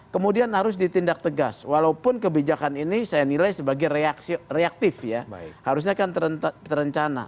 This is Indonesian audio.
kemudian harus ditindak tegas walaupun kebijakan ini saya nilai sebagai reaktif ya harusnya kan terencana